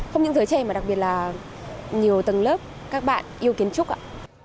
không những giới trẻ mà đặc biệt là nhiều tầng lớp các bạn yêu kiến trúc ạ